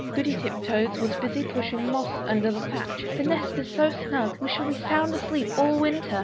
Goody Tiptoes was busy pushing moss under the thatch "The nest is so snug, we shall be sound asleep all winter."